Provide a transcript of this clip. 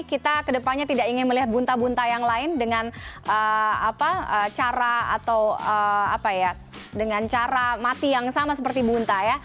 kita kedepannya tidak ingin melihat bunta bunta yang lain dengan cara atau dengan cara mati yang sama seperti bunta ya